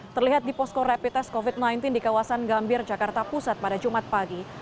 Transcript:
terlihat di posko rapid test covid sembilan belas di kawasan gambir jakarta pusat pada jumat pagi